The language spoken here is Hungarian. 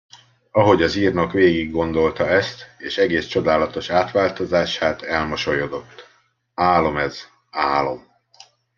Ahogy az írnok végiggondolta ezt és egész csodálatos átváltozását, elmosolyodott: Álom ez, álom!